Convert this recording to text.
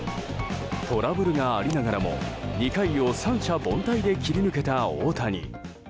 トラブルがありながらも、２回を三者凡退で切り抜けた大谷。